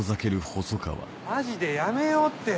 マジでやめようって。